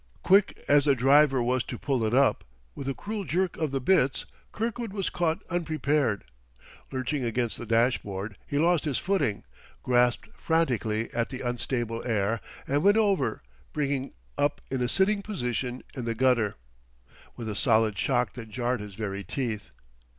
Quick as the driver was to pull it up, with a cruel jerk of the bits, Kirkwood was caught unprepared; lurching against the dashboard, he lost his footing, grasped frantically at the unstable air, and went over, bringing up in a sitting position in the gutter, with a solid shock that jarred his very teeth.